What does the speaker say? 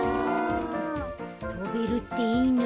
とべるっていいな。